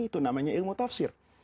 itu namanya ilmu tafsir